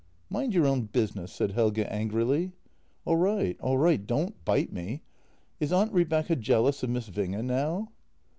" Mind your own business," said Helge angrily. "All right, all right — don't bite me! Is Aunt Rebecca jealous of Miss Winge now?